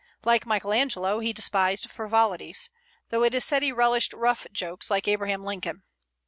Like Michael Angelo, he despised frivolities, though it is said he relished rough jokes, like Abraham Lincoln.